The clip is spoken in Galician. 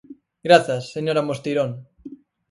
Grazas, señora Mosteirón.